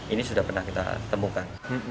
ini sudah pernah kita temukan